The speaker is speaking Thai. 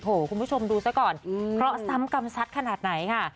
โอ้โหคุณผู้ชมดูซะก่อนเพราะซ้ำกรรมซัดขนาดไหนค่ะ